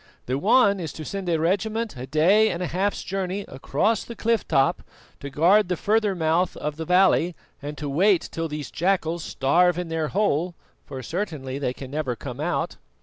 The one is to send a regiment a day and a half's journey across the cliff top to guard the further mouth of the valley and to wait till these jackals starve in their hole, for certainly they can never come out."